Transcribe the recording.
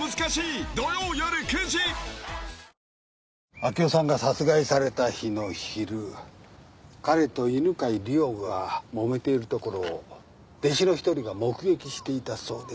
明生さんが殺害された日の昼彼と犬飼里緒がもめているところを弟子の一人が目撃していたそうです。